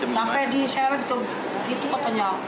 sampai diseret gitu gitu katanya